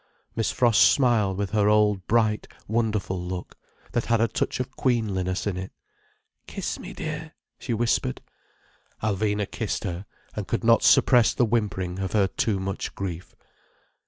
Miss Frost smiled with her old bright, wonderful look, that had a touch of queenliness in it. "Kiss me, dear," she whispered. Alvina kissed her, and could not suppress the whimpering of her too much grief.